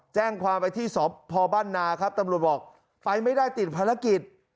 แจ้งความไปที่สพบ้านนาครับตำรวจบอกไปไม่ได้ติดภารกิจ